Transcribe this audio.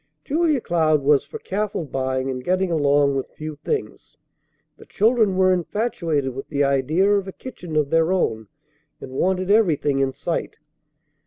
Julia Cloud was for careful buying and getting along with few things; the children were infatuated with the idea of a kitchen of their own, and wanted everything in sight.